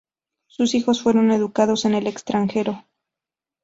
Sus hijos fueron educados en el extranjero.